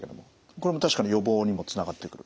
これも確かに予防にもつながってくる？